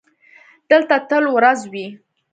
دلته تل ورځ وي.